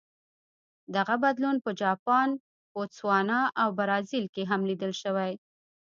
دغه بدلون په جاپان، بوتسوانا او برازیل کې هم لیدل شوی.